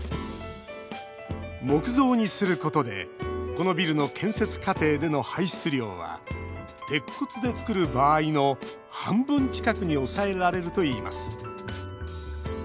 木造にすることでこのビルの建設過程での排出量は鉄骨で造る場合の半分近くに抑えられるといいます。